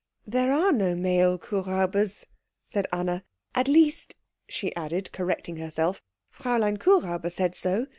"There are no male Kuhräubers," said Anna. "At least," she added, correcting herself, "Fräulein Kuhräuber said so.